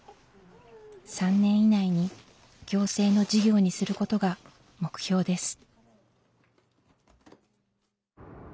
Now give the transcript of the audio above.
３年以内に行政の事業にすることが目標です。